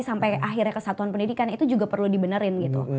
sampai akhirnya kesatuan pendidikan itu juga perlu dibenerin gitu